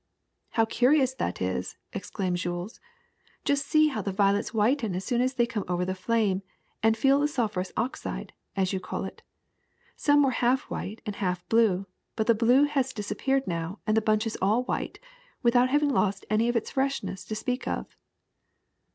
^^How curious that is!" exclaimed Jules. ^Must see how the violets whiten as soon as they come over the flame and feel the sulphurous oxide, as you call it. Some were half white and half blue ; but the blue has disappeared and now the bunch is all white, without having lost any of its freshness to speak of."